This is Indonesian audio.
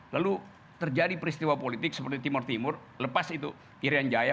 lalu terjadi peristiwa politik seperti timur timur lepas itu irian jaya